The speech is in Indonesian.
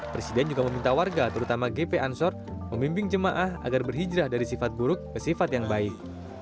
presiden juga meminta warga terutama gp ansor membimbing jemaah agar berhijrah dari sifat buruk ke sifat yang baik